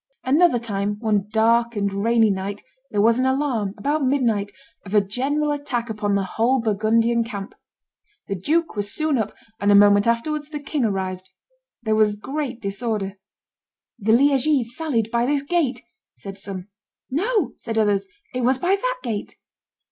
Another time, one dark and rainy night, there was an alarm, about midnight, of a general attack upon the whole Burgundian camp. The duke was soon up, and a moment afterwards the king arrived. There was great disorder. "The Liegese sallied by this gate," said some; "No," said others, "it was by that gate!"